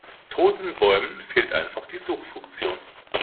Toten Bäumen fehlt einfach die Suchfunktion.